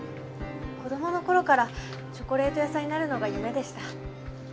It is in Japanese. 子供の頃からチョコレート屋さんになるのが夢でした。